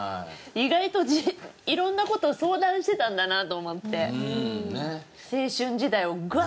意外と色んな事を相談してたんだなと思って。